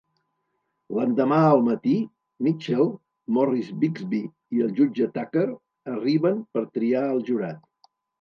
L'endemà al matí, Mitchell, Morris Bixby i el jutge Tucker arriben per triar el jurat.